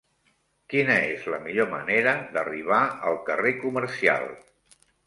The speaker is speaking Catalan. Quina és la millor manera d'arribar al carrer Comercial?